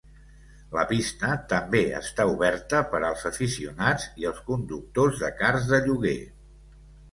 La pista també està oberta per als aficionats i els conductors de karts de lloguer.